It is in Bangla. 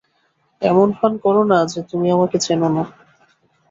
এমন ভান করো না যে তুমি আমাকে চেনো না।